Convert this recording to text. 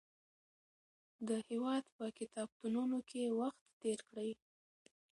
د هېواد په کتابتونونو کې وخت تېر کړئ.